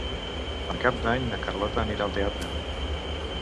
Per Cap d'Any na Carlota anirà al teatre.